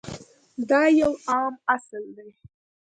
دا یو عام اصل دی.